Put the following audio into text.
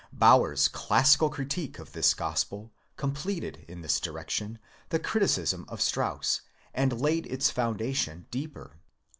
Baur's classical critique of this Gospel completed in this direction the criticism of Strauss, and laid its foundations deeper.